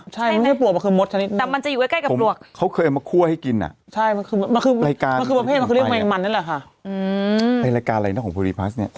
ช้อนโต๊ะใช่มั้ย๑๒ก็๑๐๐บาท